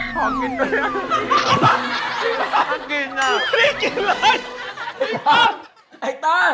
ปี่กินเลยเนี่ย